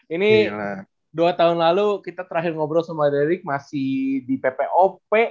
ini dua tahun lalu kita terakhir ngobrol sama derik masih di ppop